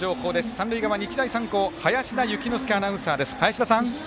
三塁側、日大三高林田幸之介アナウンサーです。